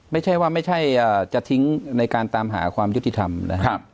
ไม่ใช่ว่าไม่ใช่จะทิ้งในการตามหาความยุติธรรมนะครับ